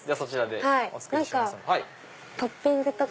何かトッピングとか。